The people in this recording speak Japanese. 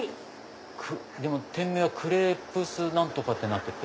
でも店名はクレープス何とかってなってて。